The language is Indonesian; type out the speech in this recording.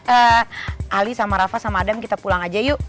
eh ali sama rafa sama adam kita pulang aja yuk